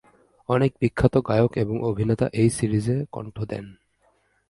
অনেক বিখ্যাত গায়ক এবং অভিনেতা এই সিরিজে কণ্ঠ দেন।